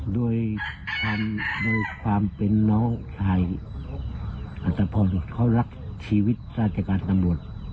โดยในความเป็นน้องชายอัตภพรเขารักชีวิตราชการตำรวจ